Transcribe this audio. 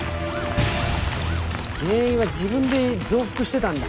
原因は自分で増幅してたんだ。